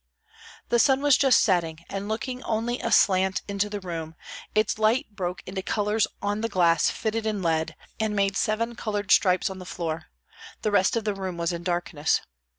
The sun was just setting, and looking only aslant into the room, its light broke into colors on the glass fitted in lead, and made seven colored stripes on the floor; the rest of the room was in darkness.